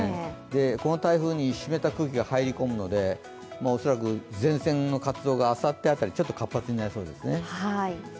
この台風に湿った空気が入り込むので、恐らく前線の活動があさって辺り、活発になりそうですね。